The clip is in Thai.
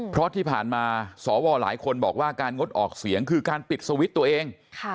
เพราะที่ผ่านมาสวหลายคนบอกว่าการงดออกเสียงคือการปิดสวิตช์ตัวเอง